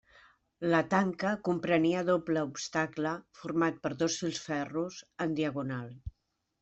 La tanca comprenia doble obstacle format per dos filferros en diagonal.